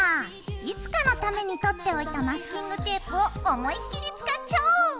いつかのためにとっておいたマスキングテープを思いっきり使っちゃおう！